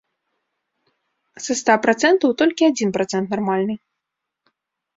Са ста працэнтаў толькі адзін працэнт нармальны.